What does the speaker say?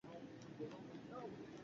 Alem, Av.